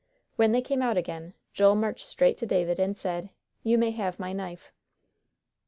When they came out again, Joel marched straight to David, and said, "You may have my knife."